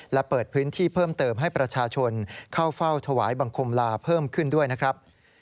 และเปิดพื้นที่เพิ่มเติมให้ประชาชนเข้าเฝ้าถวายบังคมลาเพิ่มขึ้นด้วยนะครับ